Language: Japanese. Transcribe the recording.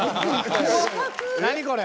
何これ。